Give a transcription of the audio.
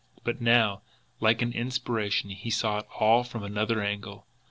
But now, like an inspiration, he saw it all from another angle.